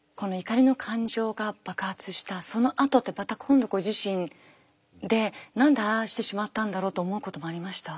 怒りの感情が爆発したそのあとってまた今度ご自身で何でああしてしまったんだろうと思うこともありました？